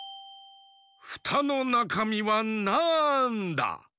フタのなかみはなんだ？